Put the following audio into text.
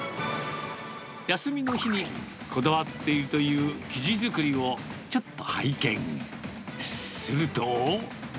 休みの日に、こだわっているという生地作りをちょっと拝見。